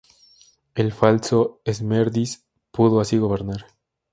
El falso Esmerdis pudo así gobernar.